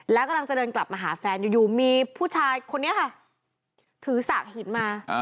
แล้วกำลังจะเดินกลับมาหาแฟนอยู่มีผู้ชายคนนี้ค่ะถือสากหินมา